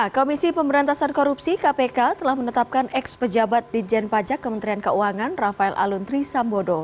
komisi pemberantasan korupsi kpk telah menetapkan ex pejabat di jen pajak kementerian keuangan rafael aluntri sambodo